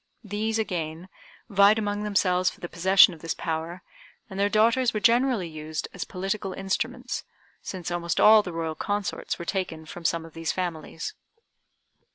These, again, vied among themselves for the possession of this power, and their daughters were generally used as political instruments, since almost all the Royal consorts were taken from some of these families.